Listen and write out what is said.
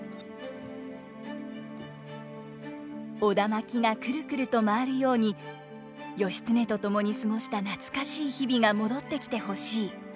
苧環がくるくると回るように義経と共に過ごした懐かしい日々が戻ってきて欲しい。